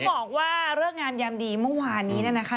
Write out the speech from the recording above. เขาบอกว่าเรื่องงานยามดีเมื่อวานนี้นะคะ